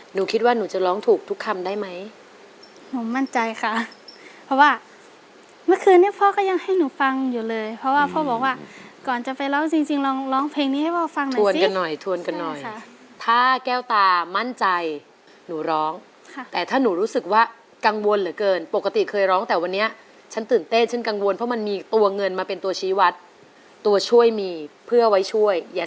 หนูคิดว่าหนูจะร้องถูกทุกคำได้ไหมผมมั่นใจค่ะเพราะว่าเมื่อคืนนี้พ่อก็ยังให้หนูฟังอยู่เลยเพราะว่าพ่อบอกว่าก่อนจะไปร้องจริงจริงร้องร้องเพลงนี้ให้พ่อฟังหน่อยสิถ้าแก้วตามั่นใจหนูร้องค่ะแต่ถ้าหนูรู้สึกว่ากังวลเหลือเกินปกติเคยร้องแต่วันนี้ฉันตื่นเต้นฉันกังวลเพราะ